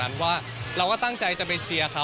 เพราะว่าเราก็ตั้งใจจะไปเชียร์เขา